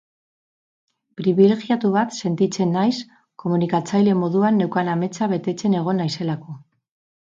Pribilegiatu bat sentitzen naiz, komunikatzaile moduan neukan ametsa betetzen egon naizelako.